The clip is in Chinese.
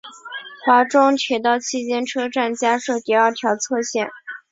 华中铁道期间车站加设第二条侧线。